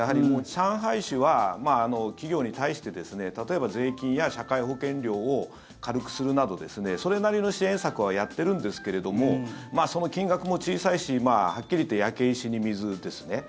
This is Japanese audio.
上海市は企業に対して例えば、税金や社会保険料を軽くするなどそれなりの支援策はやってるんですけれどもその金額も小さいしはっきり言って焼け石に水ですね。